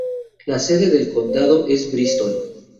La sede del condado es Bristol.